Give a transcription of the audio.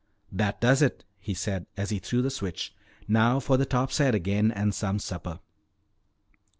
"That does it," he said as he threw the switch. "Now for the topside again and some supper."